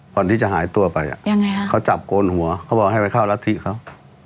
ก่อนที่จะหายตัวไปอ่ะยังไงฮะเขาจับโกนหัวเขาบอกให้ไปเข้ารัฐธิเขา